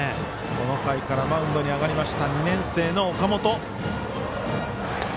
この回からマウンドに上がりました２年生の岡本。